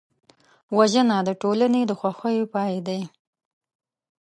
وژنه د ټولنې د خوښیو پای دی